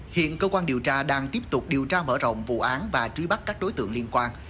hiện cơ quan điều tra đang tiếp tục điều tra mở rộng vụ án và truy bắt các đối tượng liên quan